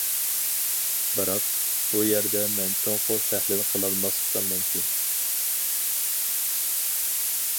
بىراق، بۇ يەردە مەن چوڭقۇر تەھلىل قىلالماسلىقىم مۇمكىن.